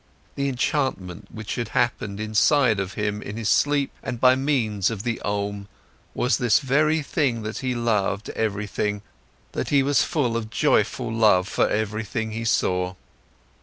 The enchantment, which had happened inside of him in his sleep and by means of the Om, was this very thing that he loved everything, that he was full of joyful love for everything he saw.